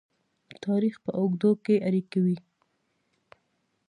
د تاریخ په اوږدو کې اړیکې وې.